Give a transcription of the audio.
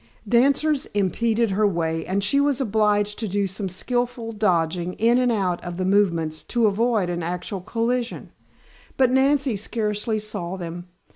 Dancers impeded her way, and she was obliged to do some skillful dodging in and out of the movements to avoid actual collision. But Nancy scarcely saw them.